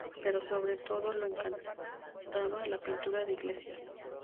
Pero sobre todo le encantaba la pintura de iglesias.